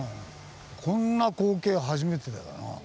こんな光景は初めてだからな。